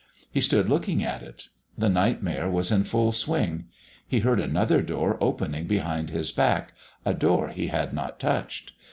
He stood looking at it. The Nightmare was in full swing. He heard another door opening behind his back, a door he had not touched.